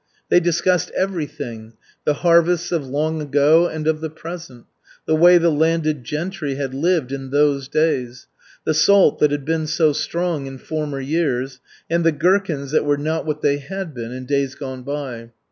They discussed everything the harvests of long ago and of the present; the way the landed gentry had lived in "those days;" the salt that had been so strong in former years; and the gherkins that were not what they had been in days gone by.